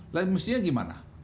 nah mestinya gimana